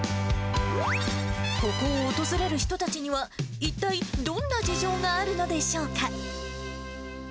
ここを訪れる人たちには、一体どんな事情があるのでしょうか。